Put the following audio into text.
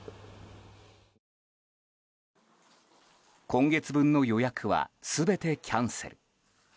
今月分の予約は全てキャンセル。